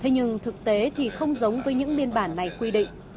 nhưng thực tế thì không giống với những biên bản này quy định